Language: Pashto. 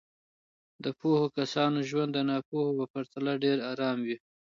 د پوهو کسانو ژوند د ناپوهو په پرتله ډېر ارام وي.